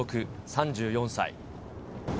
３４歳。